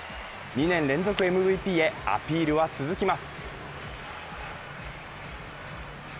２年連続ＭＶＰへアピールは続きます。